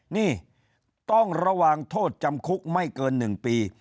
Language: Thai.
นี่ต้องระวังโทษจำคุกไม่เกิน๑ปี